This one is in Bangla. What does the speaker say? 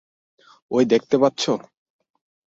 ওই দেখতে পাচ্ছ?